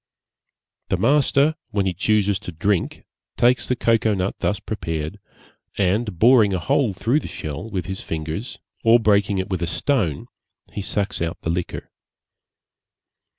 The master when he chooses to drink takes the cocoa nut thus prepared, and boring a hole through the shell with his fingers, or breaking it with a stone, he sucks out the liquor.